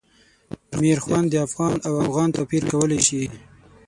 میرخوند د افغان او اوغان توپیر کولای شي.